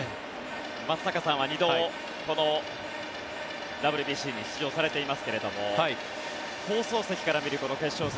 松坂さんは２度、このＷＢＣに出場されていますけれども放送席から見るこの決勝戦